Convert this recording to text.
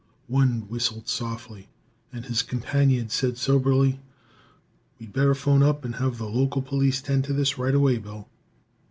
One whistled softly, and his companion said soberly: "We'd better phone up and have the local police tend to this right away, Bill."